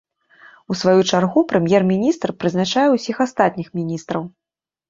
У сваю чаргу, прэм'ер-міністр прызначае ўсіх астатніх міністраў.